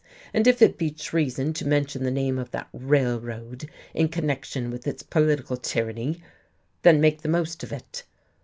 And if it be treason to mention the name of that Railroad in connection with its political tyranny, then make the most of it."